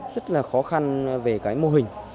rất là khó khăn về cái mô hình